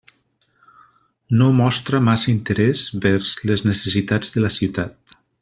No mostra massa interès vers les necessitats de la ciutat.